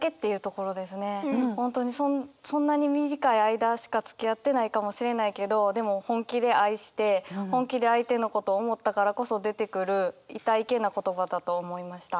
本当にそんなに短い間しかつきあってないかもしれないけどでも本気で愛して本気で相手のことを思ったからこそ出てくるいたいけな言葉だと思いました。